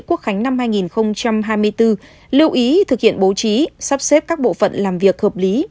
quốc khánh năm hai nghìn hai mươi bốn lưu ý thực hiện bố trí sắp xếp các bộ phận làm việc hợp lý